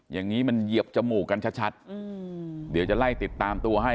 อย่างนี้มันเหยียบจมูกกันชัดเดี๋ยวจะไล่ติดตามตัวให้